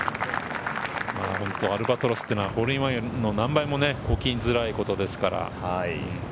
アルバトロスってのはホールインワンよりも何倍も起きづらいことですから。